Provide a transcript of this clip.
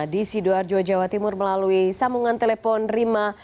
di sidoarjo jawa timur melalui sambungan telepon rima